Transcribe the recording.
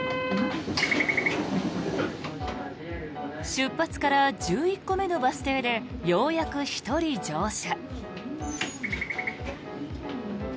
出発から１１個目のバス停でようやく１人乗車。